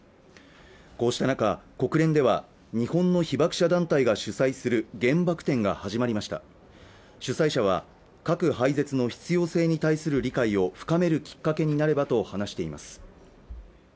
こうした中、国連では日本の被爆者団体が主催する原爆展が始まりました主催者は核廃絶の必要性に対する理解を深めるきっかけになればと話しています